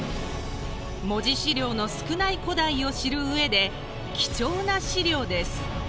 文字資料の少ない古代を知るうえで貴重な資料です。